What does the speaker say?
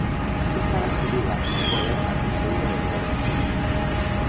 او سرش شلوغ است چون باید مدرسهای را اداره کند.